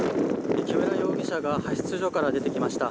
木村容疑者が派出所から出てきました。